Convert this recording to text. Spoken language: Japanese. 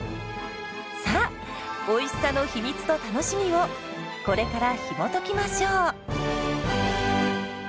さあおいしさの秘密と楽しみをこれからひもときましょう！